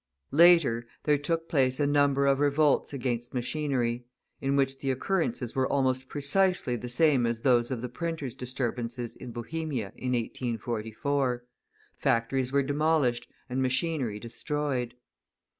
Later, there took place a number of revolts against machinery, in which the occurrences were almost precisely the same as those of the printers' disturbances in Bohemia in 1844; factories were demolished and machinery destroyed.